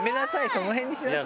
その辺にしなさい。